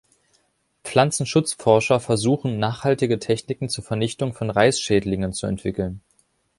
Pflanzenschutzforscher versuchen, nachhaltige Techniken zur Vernichtung von Reisschädlingen zu entwickeln.